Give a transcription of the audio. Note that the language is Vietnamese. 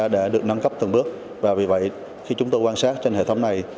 đã được nâng cấp từng bước và vì vậy khi chúng tôi quan sát trên hệ thống này